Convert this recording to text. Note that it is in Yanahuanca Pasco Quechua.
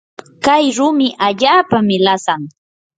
kay rumi allaapami lasan.